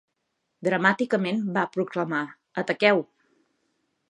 Dramàticament, va proclamar: "Ataqueu!".